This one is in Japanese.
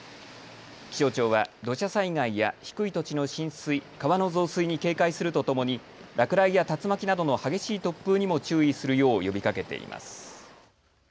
気象庁は土砂災害や低い土地の浸水、川の増水に警戒するとともに落雷や竜巻などの激しい突風にも注意するよう呼びかけています。